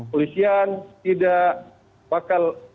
polisian tidak bakal memotot